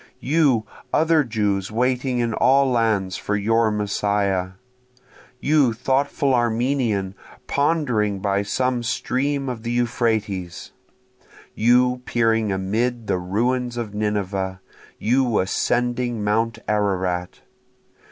You other Jews waiting in all lands for your Messiah! You thoughtful Armenian pondering by some stream of the Euphrates! you peering amid the ruins of Nineveh! you ascending mount Ararat!